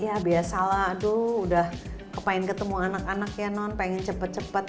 ya biasalah aduh udah kepengen ketemu anak anak ya non pengen cepet cepet